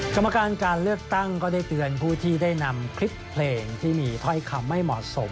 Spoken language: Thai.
กรรมการการเลือกตั้งก็ได้เตือนผู้ที่ได้นำคลิปเพลงที่มีถ้อยคำไม่เหมาะสม